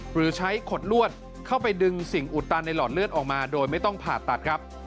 หรือใช้ขดลวดเข้าไปดึงสิ่งอุดตันในหลอดเลือดออกมาโดยไม่ต้องผ่าตัดครับ